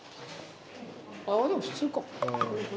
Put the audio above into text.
あー、でも普通か。